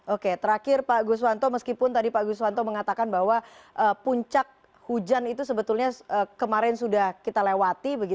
oke terakhir pak guswanto meskipun tadi pak guswanto mengatakan bahwa puncak hujan itu sebetulnya kemarin sudah kita lewati